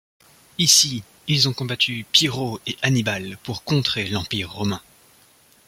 Ici, ils ont combattu Pirro et Annibale pour contrer l 'Empire romain.